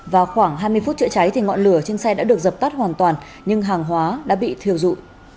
vào khoảng hai mươi phút chữa cháy thì ngọn lửa trên xe đã được dập tắt hoàn toàn nhưng hàng hóa đã bị thiêu dụ